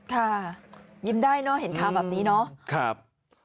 ค่ะโหเยี่ยมเลย